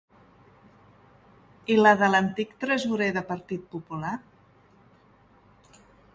I la de l'antic tresorer de Partit Popular?